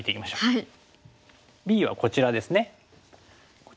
はい。